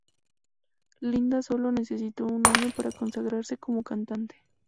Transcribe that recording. Linda sólo necesito un año para consagrarse como cantante.